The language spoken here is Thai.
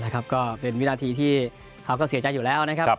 ก็เป็นวินาทีที่เขาก็เสียใจอยู่แล้วนะครับ